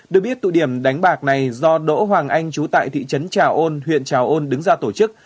được biết tụ điểm đánh bạc này do đỗ hoàng anh trú tại thị trấn trào ôn huyện trào ôn đứng ra tổ chức